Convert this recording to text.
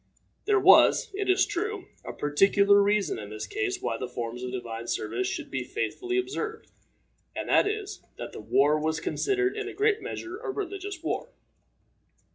There was, it is true, a particular reason in this case why the forms of divine service should be faithfully observed, and that is, that the war was considered in a great measure a religious war.